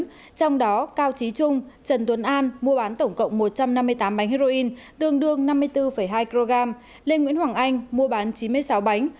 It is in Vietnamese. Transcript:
trong đó cao trí trung trần tuấn an mua bán tổng cộng một trăm năm mươi tám bánh heroin tương đương năm mươi bốn hai kg lê nguyễn hoàng anh mua bán chín mươi sáu bánh